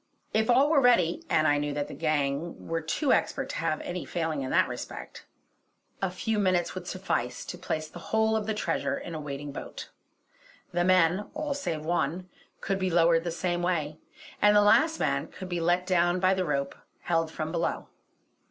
If all were ready and I knew that the gang were too expert to have any failing in that respect a few minutes would suffice to place the whole of the treasure in a waiting boat. The men, all save one, could be lowered the same way, and the last man could be let down by the rope held from below.